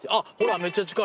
めっちゃ近い。